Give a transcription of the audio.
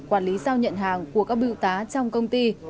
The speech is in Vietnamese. quản lý giao nhận hàng của các biêu tá trong công ty